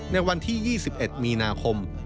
ในวันที่๒๑มีนาคม